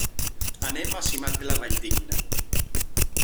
Anem a Simat de la Valldigna.